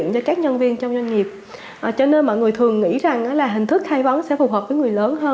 dạ chào chị uyên ạ